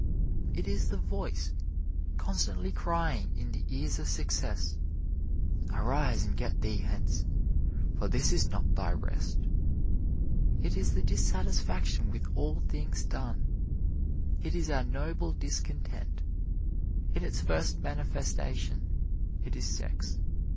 It is the voice constantly crying in the ears of success, "Arise and get thee hence, for this is not thy rest." It is the dissatisfaction with all things done it is our Noble Discontent. In its first manifestation it is sex.